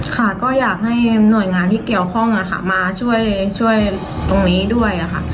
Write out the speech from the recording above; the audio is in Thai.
ค่ะก็อยากให้หน่วยงานที่เกี่ยวข้องมาช่วยตรงนี้ด้วยค่ะ